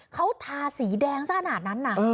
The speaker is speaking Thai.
เขาทาสีแดงซะขนาดนั้นนะ